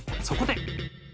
そこで。